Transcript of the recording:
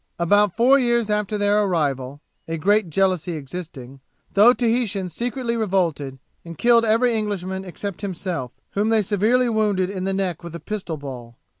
'About four years after their arrival (a great jealousy existing), the Otaheitans secretly revolted, and killed every Englishman except himself whom they severely wounded in the neck with a pistol ball.